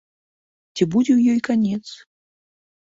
Ці будзе ў яе канец?